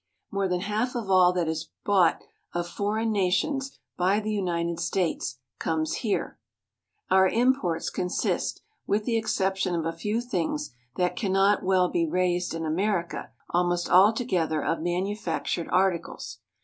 More than half of all that is bought of foreign nations by the United States comes here. Our imports consist, with the exception of a few things that cannot well be raised in America, almost altogether of manufactured articles.